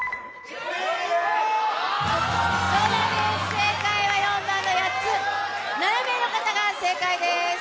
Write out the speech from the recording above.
正解は４番の８つ、７名の方が正解です。